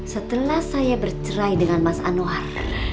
setelah saya bercerai dengan mas anwar